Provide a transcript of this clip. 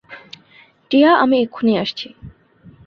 টিয়া - আমি এক্ষুনি আসছি।